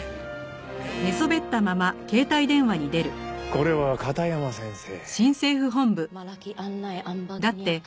これは片山先生。